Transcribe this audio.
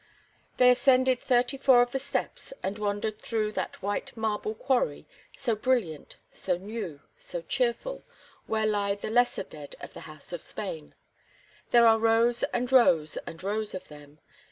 They ascended thirty four of the steps and wandered through that white marble quarry, so brilliant, so new, so cheerful, where lie the lesser dead of the House of Spain. There are rows and rows and rows of them.